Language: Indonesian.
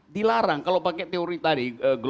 dilarang kalau pakai teori tadi